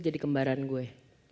jadi kembaran gue